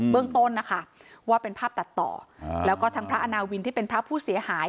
เรื่องต้นนะคะว่าเป็นภาพตัดต่อแล้วก็ทั้งพระอาณาวินที่เป็นพระผู้เสียหาย